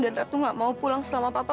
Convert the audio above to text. dan ratu nggak mau pulang selama papa